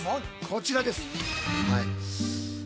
こちらです。